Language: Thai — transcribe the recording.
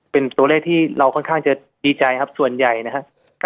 เป็นตัวเลขที่เราค่อนข้างจะดีใจครับส่วนใหญ่นะครับ